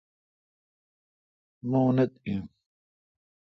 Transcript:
مہ اونتھ این۔